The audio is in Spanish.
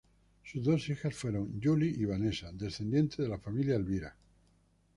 Sus dos hijas fueron July y Vanessa, descendientes de la familia Elvira.